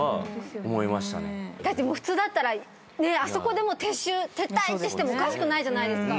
だって普通だったらあそこで撤退ってしてもおかしくないじゃないですか。